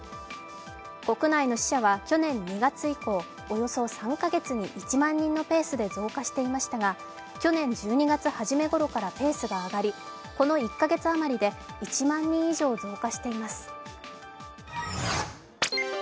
国内の死者は去年２月以降およそ３カ月に１万人のペースで増加していましたが、去年１２月初めごろからペ−スが上がり、この１か月余りで１万人以上増加しています。